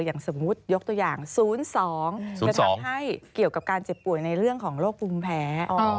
อย่างสมมุติยกตัวอย่าง๐๒จะทำให้เกี่ยวกับการเจ็บป่วยในเรื่องของโรคภูมิแพ้